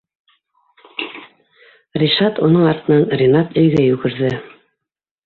Ришат, уның артынан Ринат өйгә йүгерҙе.